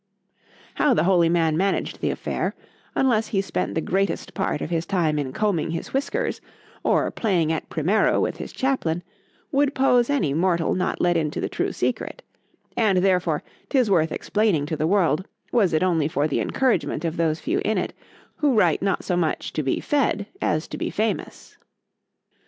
—How the holy man managed the affair, unless he spent the greatest part of his time in combing his whiskers, or playing at primero with his chaplain,—would pose any mortal not let into the true secret;—and therefore 'tis worth explaining to the world, was it only for the encouragement of those few in it, who write not so much to be fed—as to be famous.